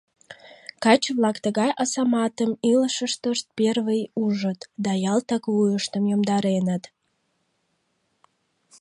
Каче-влак тыгай асаматым илышыштышт первой ужыт да ялтак вуйыштым йомдареныт.